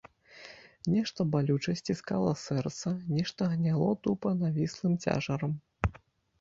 Нешта балюча сціскала сэрца, нешта гняло тупа навіслым цяжарам.